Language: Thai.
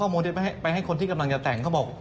เอาข้อมูลไปให้คนที่กำลังจะแต่งเขาบอก